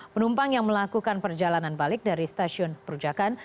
penumpang yang melakukan perjalanan balik dari stasiun perujakan